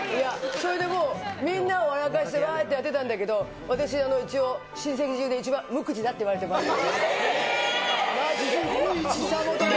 それでもう、みんなを笑かして、わーっとやってたんだけど、私、一応、親戚中で一番無口だっていわれてました。